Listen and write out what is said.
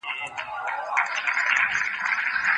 امیر ورکړه یو غوټه د لوټونو